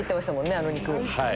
あの肉。